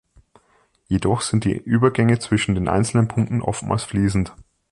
Jedoch sind die Übergänge zwischen den einzelnen Punkten oftmals fließend.